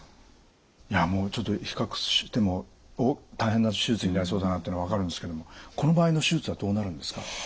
いやもうちょっと比較しても大変な手術になりそうだなっていうのは分かるんですけどもこの場合の手術はどうなるんですか？